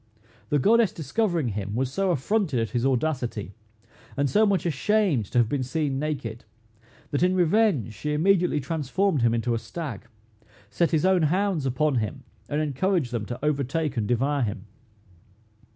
The goddess discovering him, was so affronted at his audacity, and so much ashamed to have been seen naked, that in revenge she immediately transformed him into a stag, set his own hounds upon him, and encouraged them to overtake and devour him.